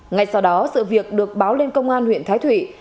ngay sau đó sự việc được báo lên công an huyện thái thụy